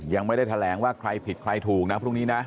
ยังไม่ได้แถลงว่าใครผิดใครถูกนะพรุ่งนี้นะ